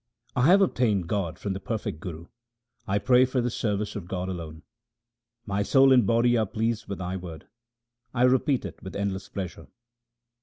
I have obtained God from the perfect Guru ; I pray for the service of God alone. My soul and body are pleased with Thy word ; I repeat it with endless pleasure.